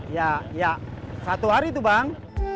ya ya satu hari itu bang